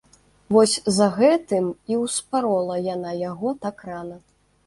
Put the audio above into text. Вось за гэтым і ўспарола яна яго так рана.